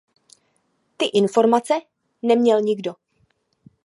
Ty informace neměl nikdo.